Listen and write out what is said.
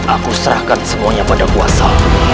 aku serahkan semuanya pada kuasa